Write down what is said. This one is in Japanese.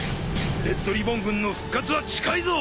「レッドリボン軍の復活は近いぞ！」